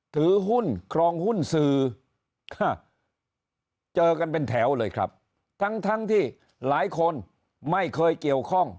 ถือหุ้นครองหุ้นสื่อเจอกันเป็นแถวเลยครับทั้งทั้งที่หลายคนไม่เคยเกี่ยวข้อง